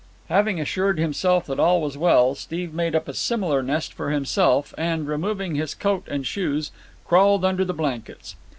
Having assured himself that all was well, Steve made up a similar nest for himself, and, removing his coat and shoes, crawled under the blankets.